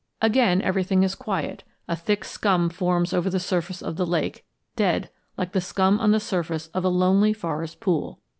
"Again everything is quiet, a thick scum forms over the surface of the lake, dead, like the scum on the surface of a lonely forest pool.